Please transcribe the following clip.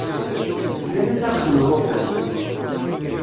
Sliɣ i taɣect n ulufan.